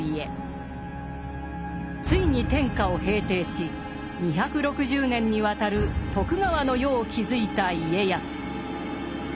ついに天下を平定し２６０年にわたる徳川の世を築いた家康。